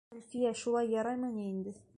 Әлфиә, шулай яраймы ни инде?